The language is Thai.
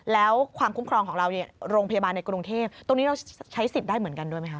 แล้วความคุ้มครองของเราเนี่ยโรงพยาบาลในกรุงเทพตรงนี้เราใช้สิทธิ์ได้เหมือนกันด้วยไหมค